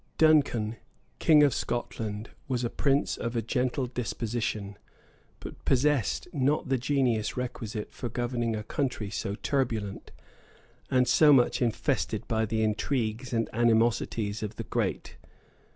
Duncan, king of Scotland, was a prince of a gentle disposition, but possessed not the genius requisite for governing a country so turbulent, and so much infested by the intrigues and animosities of the great.